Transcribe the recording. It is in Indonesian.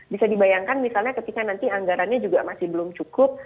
bisa dibayangkan misalnya ketika nanti anggarannya juga masih belum cukup